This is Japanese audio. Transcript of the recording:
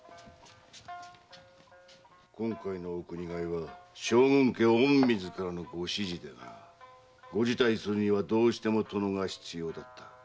今回のお国替は将軍家御自らのご指示でなご辞退するにはどうしても殿が必要だった。